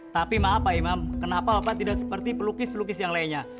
tapi maaf pak imam kenapa bapak tidak seperti pelukis pelukis yang lainnya